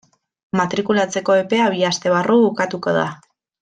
Matrikulatzeko epea bi aste barru bukatuko da.